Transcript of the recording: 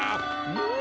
うん！